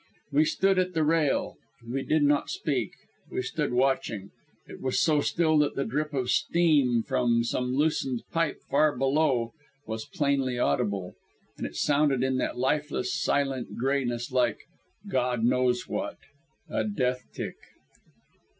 We stood at the rail. We did not speak; we stood watching. It was so still that the drip of steam from some loosened pipe far below was plainly audible, and it sounded in that lifeless, silent grayness like God knows what a death tick.